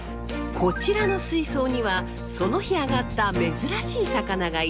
こちらの水槽にはその日あがった珍しい魚が入れられます。